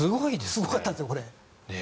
すごかったんですよ、これ。